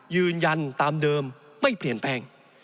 ยืนยันตามเดิมไม่เปลี่ยนแปลง